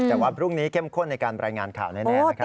แต่ว่าพรุ่งนี้เข้มข้นในการรายงานข่าวแน่นะครับ